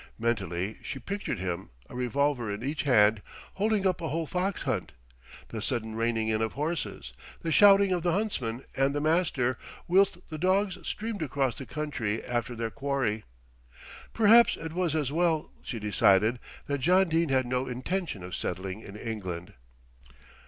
Mentally she pictured him, a revolver in each hand, holding up a whole fox hunt, the sudden reining in of horses, the shouting of the huntsman and the master, whilst the dogs streamed across the country after their quarry. Perhaps it was as well, she decided, that John Dene had no intention of settling in England.